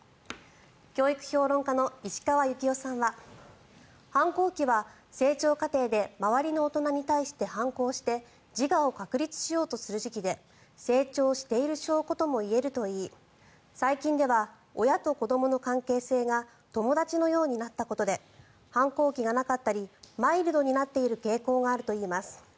教育評論家の石川幸夫さんは反抗期は、成長過程で周りの大人に対して反抗して自我を確立しようとする時期で成長している証拠ともいえるといい最近では、親と子どもの関係性が友達のようになったことで反抗期がなかったりマイルドになっている傾向があるといいます。